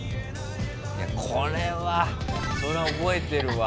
いやこれはそれは覚えてるわ。